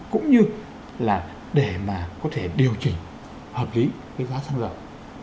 cũng như là để mà có thể điều chỉnh hợp lý cái giá xăng dầu